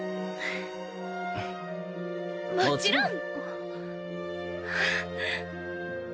もちろん！